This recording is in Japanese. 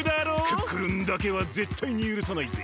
クックルンだけはぜったいにゆるさないぜ！